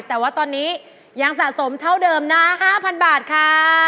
แต่ว่าตอนนี้ยังสะสมเท่าเดิมนะ๕๐๐บาทค่ะ